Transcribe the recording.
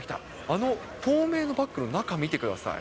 あの透明のバッグの中見てください。